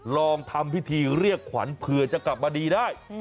ลองทำพิธีเรียกขวัญเผื่อจะกลับมาดีได้